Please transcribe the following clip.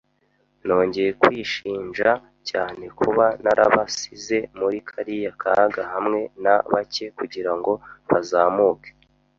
nongeye kwishinja cyane kuba narabasize muri kariya kaga hamwe na bake kugirango bazamuke